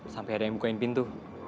sampai ada yang bukain pintu